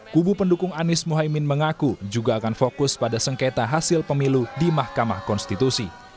kubu pendukung anies mohaimin mengaku juga akan fokus pada sengketa hasil pemilu di mahkamah konstitusi